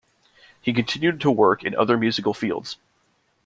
He continued to work in other musical fields.